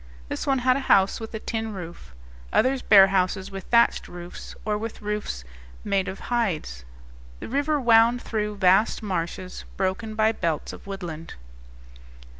This one had a house with a tin roof; others bear houses with thatched roofs, or with roofs made of hides. The river wound through vast marshes broken by belts of woodland.